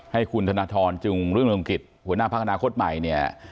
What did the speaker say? ให้คุณธนทรจึงเรื่องลงกฤษหัวหน้าภาคอนาคตใหม่เนี่ย